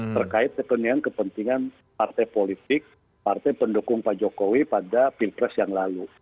terkait kepentingan partai politik partai pendukung pak jokowi pada pilpres yang lalu